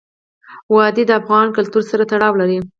وادي د افغان کلتور سره تړاو لري.